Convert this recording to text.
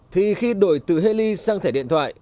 thì khi đổi từ heli sang thẻ điện thoại